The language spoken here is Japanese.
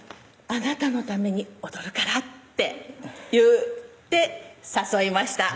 「あなたのために踊るから」って言って誘いました